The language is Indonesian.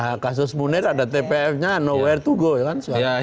nah kasus munir ada tpfnya nowhere to go ya kan